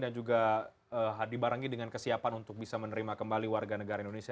dan juga dibarengi dengan kesiapan untuk bisa menerima kembali warga negara indonesia